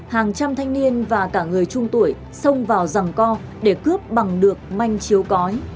hàng trăm thanh niên và cả người trung tuổi xông vào rẳng co để cướp bằng được manh chiếu cói